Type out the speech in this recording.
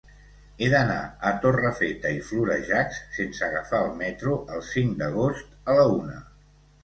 He d'anar a Torrefeta i Florejacs sense agafar el metro el cinc d'agost a la una.